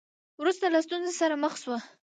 وروسته له ستونزو سره مخ شو.